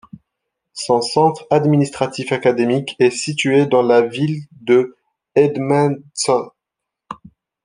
Son centre administratif académique est situé dans la ville de Edmundston.